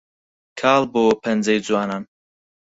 کاڵ بۆوە پەنجەی جوانان